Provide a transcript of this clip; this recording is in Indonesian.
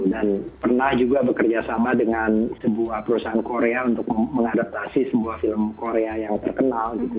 dan pernah juga bekerjasama dengan sebuah perusahaan korea untuk mengadaptasi sebuah film korea yang terkenal gitu